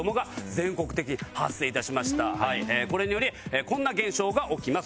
これによりこんな現象が起きます。